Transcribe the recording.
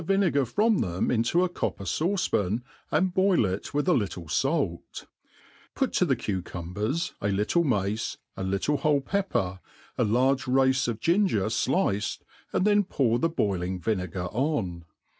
171 tlwinegar from them into a copper fauce^pan, and boil it with a little falc ; pert to the cucumbers a little mace, ^a little whole pepper,^ a large race of ginger fliced, and then poar the boiling vinegar on.